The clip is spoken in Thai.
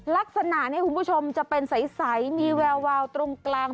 ลักษณะนี้คุณผู้ชมจะเป็นใสมีแวววาวตรงกลาง